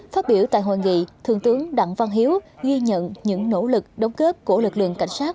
phát biểu tại hội nghị thượng tướng đặng văn hiếu ghi nhận những nỗ lực đóng kết của lực lượng cảnh sát